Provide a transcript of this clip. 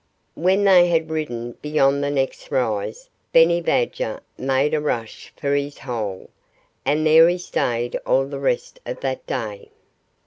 When they had ridden beyond the next rise Benny Badger made a rush for his hole. And there he stayed all the rest of that day.